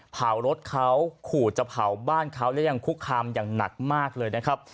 เผารถเขาขู่จะเผาบ้านเขาและยังคุกคามอย่างหนักมากเลยนะครับ